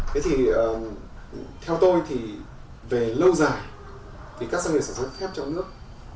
thế thì theo tôi thì về lâu dài thì các doanh nghiệp sản xuất thép trong nước